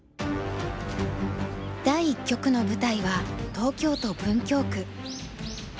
第一局の舞台は東京都文京区。